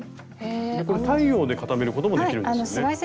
これ太陽で固めることもできるんですよね。